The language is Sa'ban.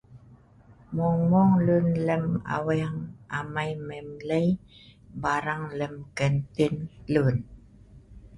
Mung mung lun lem aweng amai mei mlei barang lem kantin lun